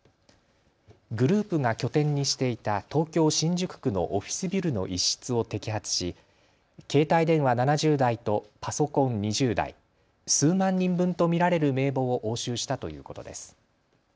グループが拠点にしていた東京新宿区のオフィスビルの一室を摘発し携帯電話７０台とパソコン２０台、数万人分と見られる名簿を押収したということです。